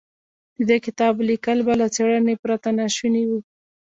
د دې کتاب ليکل به له څېړنې پرته ناشوني و.